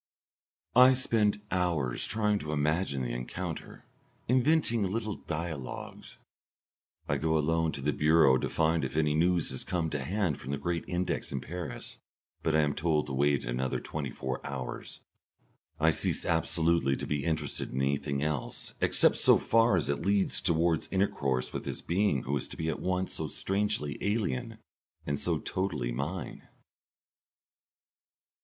I spend hours trying to imagine the encounter, inventing little dialogues. I go alone to the Bureau to find if any news has come to hand from the Great Index in Paris, but I am told to wait another twenty four hours. I cease absolutely to be interested in anything else, except so far as it leads towards intercourse with this being who is to be at once so strangely alien and so totally mine.